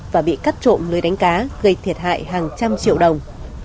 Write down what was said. và bị cắt trộm lưới đánh cá gây thiệt hại hàng trăm triệu đồng